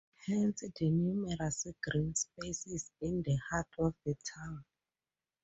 Hence the numerous green spaces in the heart of the town.